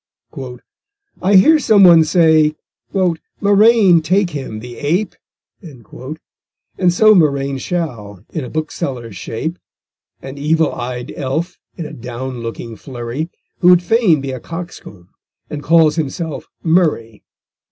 _I hear some one say "Murrain take him, the ape!" And so Murrain shall, in a bookseller's shape; An evil eyed elf, in a down looking flurry, Who'd fain be a coxcomb, and calls himself_ Murray.